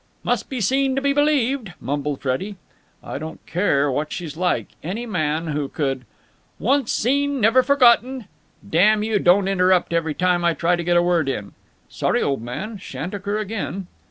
"Must be seen to be believed," mumbled Freddie. "I don't care what she's like! Any man who could...." "Once seen, never forgotten!" "Damn you! Don't interrupt every time I try to get a word in!" "Sorry, old man! Shan't occur again!"